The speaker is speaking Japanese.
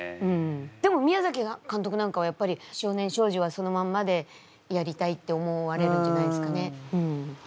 でも宮崎監督なんかはやっぱり少年少女はそのまんまでやりたいって思われるんじゃないですかね。